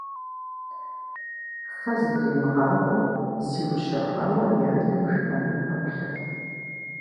Фэ зытримыгъауэу зиущэхуауэ и адэм жиӏэнум пэплъэрт.